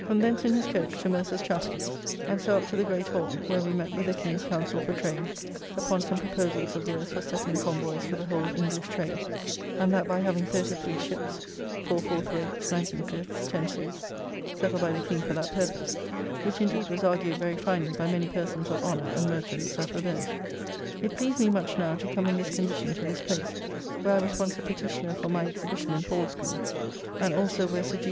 From thence in his coach to Mercer's Chappell, and so up to the great hall, where we met with the King's Councell for Trade, upon some proposals of theirs for settling convoys for the whole English trade, and that by having 33 ships (four fourth rates, nineteen fifths, ten sixths) settled by the King for that purpose, which indeed was argued very finely by many persons of honour and merchants that were there. It pleased me much now to come in this condition to this place, where I was once a petitioner for my exhibition in Paul's School; and also where Sir G.